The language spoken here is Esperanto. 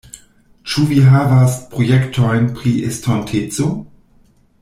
Ĉu vi havas projektojn pri estonteco?